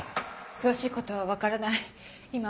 詳しいことは分からない